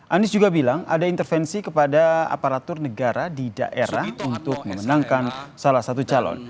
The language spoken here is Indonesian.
anies juga bilang ada intervensi kepada aparatur negara di daerah untuk memenangkan salah satu calon